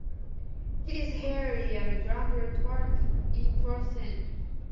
It is hairy, and glandular toward the inflorescence.